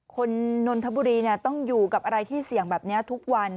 นนทบุรีต้องอยู่กับอะไรที่เสี่ยงแบบนี้ทุกวัน